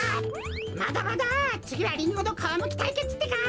まだまだつぎはリンゴのかわむきたいけつってか！